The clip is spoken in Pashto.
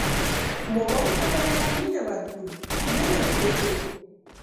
موبایل ته باید مینه ورکړو نه روږديتوب.